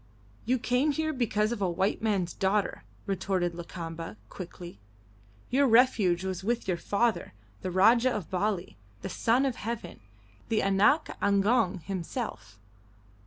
"You came here because of the white man's daughter," retorted Lakamba, quickly. "Your refuge was with your father, the Rajah of Bali, the Son of Heaven, the 'Anak Agong' himself.